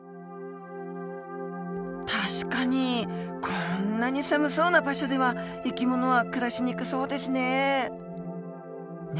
確かにこんなに寒そうな場所では生き物は暮らしにくそうですね。